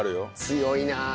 強いなあ。